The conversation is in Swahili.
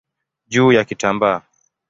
juu ya kitambaa.